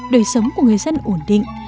đời sống của người dân ổn định